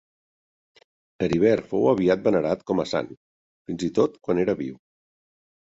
Heribert fou aviat venerat com a sant, fins i tot quan era viu.